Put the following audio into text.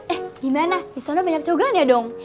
eh gimana disana banyak cowok kan ya dong